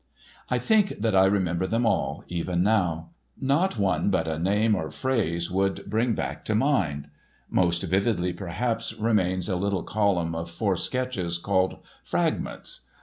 I think that I remember them all, even now; not one but a name or a phrase would bring back to mind. Most vividly, perhaps, remains a little column of four sketches called "Fragments."